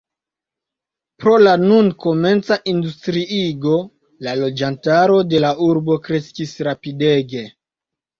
Pro la nun komenca industriigo la loĝantaro de la urbo kreskis rapidege.